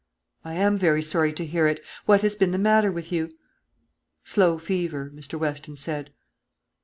"I am very sorry to hear it. What has been the matter with you?" "Slow fever, Mr. Weston said."